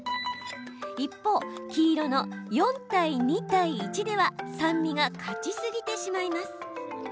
一方、黄色の４対２対１では酸味が勝ちすぎてしまいます。